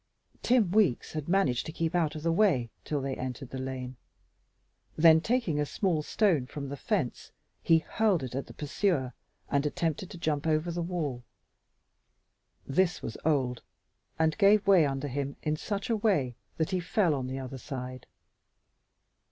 Tim Weeks had managed to keep out of the way till they entered the lane; then, taking a small stone from the fence, he hurled it at their pursuer and attempted to jump over the wall. This was old, and gave way under him in such a way that he fell on the other side.